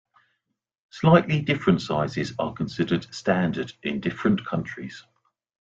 Slightly different sizes are considered "standard" in different countries.